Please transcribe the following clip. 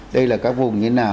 đây là các vùng như thế nào